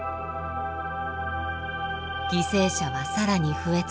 犠牲者は更に増え続け